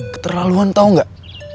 keterlaluan tau gak